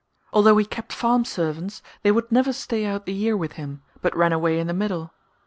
Although he kept farm servants they would never stay out the year with him; but ran away in the middle.